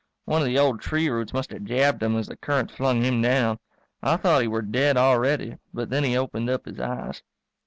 One of the old tree roots must have jabbed him as the current flung him down. I thought he were dead already, but then he opened up his eyes.